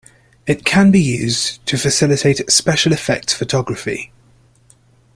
It can be used to facilitate special effects photography.